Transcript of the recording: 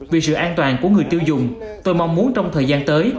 vì sự an toàn của người tiêu dùng tôi mong muốn trong thời gian tới